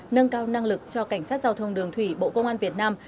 nâng cao năng lực cho cảnh sát giao thông đường thủy bộ công an việt nam